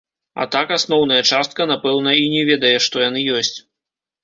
А так асноўная частка, напэўна, і не ведае, што яны ёсць.